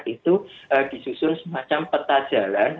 itu disusun semacam peta jalan